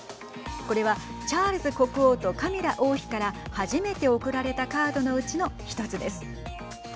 これはチャールズ国王とカミラ王妃から初めて贈られたカードのうちの１つです。